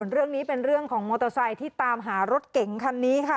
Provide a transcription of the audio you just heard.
เรื่องนี้เป็นเรื่องของมอเตอร์ไซค์ที่ตามหารถเก๋งคันนี้ค่ะ